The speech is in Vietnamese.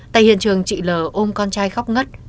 tại hiện trường chị l ôm con trai khóc ngất